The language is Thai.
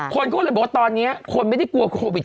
คนก็เลยบอกว่าตอนนี้คนไม่ได้กลัวโควิด